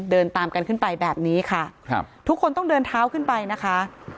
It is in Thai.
เดินตามกันขึ้นไปแบบนี้ค่ะครับทุกคนต้องเดินเท้าขึ้นไปนะคะ